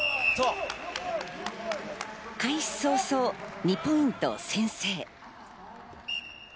開始早々、２ポイントを先制。